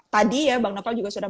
tadi ya bang novel juga sudah